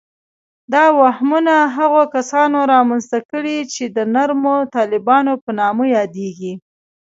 دا وهمونه هغو کسانو رامنځته کړي چې د نرمو طالبانو په نامه یادیږي